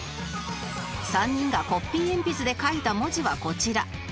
３人がコッピー鉛筆で書いた文字はこちら